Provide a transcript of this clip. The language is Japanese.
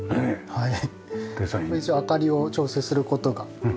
はい。